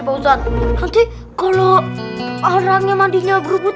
kayak ikan tongkol belum dibungkus